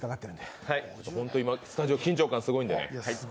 スタジオ緊張感すごいんで。